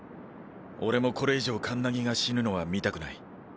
俺もこれ以上カンナギが死ぬのは見たくない。